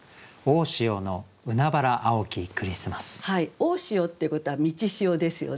大潮っていうことは満ち潮ですよね。